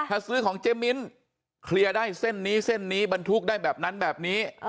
ถ้าซื้อของเจ๊มิ้นเคลียร์ได้เส้นนี้เส้นนี้บรรทุกได้แบบนั้นแบบนี้